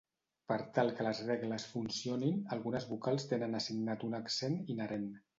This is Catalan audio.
Per tal que les regles funcionin, algunes vocals tenen assignat un accent inherent.